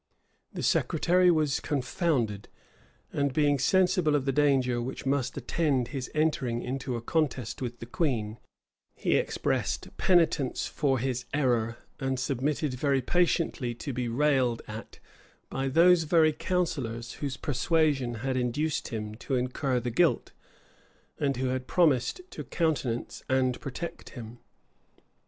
The secretary was confounded; and being sensible of the danger which must attend his entering into a contest with the queen, he expressed penitence for his error, and submitted very patiently to be railed at by those very counsellors whose persuasion had induced him to incur the guilt, and who had promised to countenance and protect him.